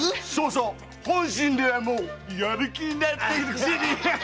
そう本心ではやる気になってるくせに。